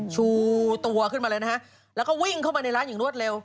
ชูตัวขึ้นมาเลยนะฮะแล้วก็วิ่งเข้ามาในร้านอย่างรวดเร็ว